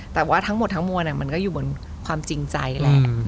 แต่ว่าทั้งหมดทั้งมวลมันก็อยู่บนความจริงใจนั่นแหละ